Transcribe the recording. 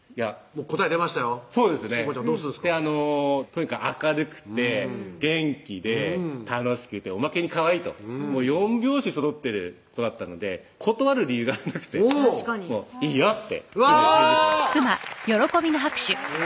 とにかく明るくて元気で楽しくておまけにかわいいと４拍子そろってる子だったので断る理由がなくてうん「いいよ」ってうわ！ありがとうございます